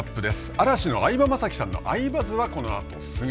嵐の相葉雅紀さんの「アイバズ」はこのあとすぐ。